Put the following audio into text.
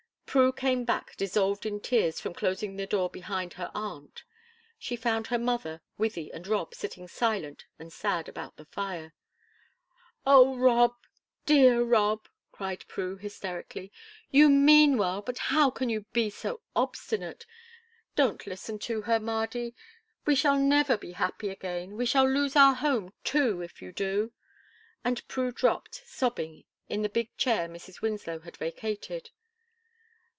Prue came back dissolved in tears from closing the door behind her aunt; she found her mother, Wythie, and Rob sitting silent and sad around the fire. "Oh, Rob, dear Rob," cried Prue, hysterically, "you mean well, but how can you be so obstinate? Don't listen to her, Mardy; we shall never be happy again; we shall lose our home, too, if you do!" And Prue dropped, sobbing, in the big chair Mrs. Winslow had vacated.